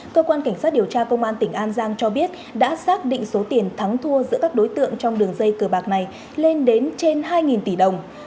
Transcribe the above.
cơ quan cảnh sát điều tra công an tỉnh an giang cho biết đã xác định số tiền thắng thua giữa các đối tượng trong đường dây cờ bạc này lên đến trên hai tỷ đồng